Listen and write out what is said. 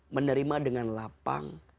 menerima dengan lapang